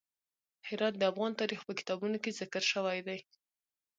هرات د افغان تاریخ په کتابونو کې ذکر شوی دی.